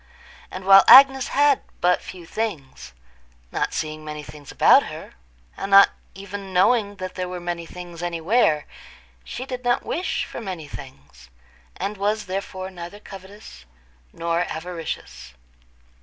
And while Agnes had but few things—not seeing many things about her, and not even knowing that there were many things anywhere, she did not wish for many things, and was therefore neither covetous nor avaricious.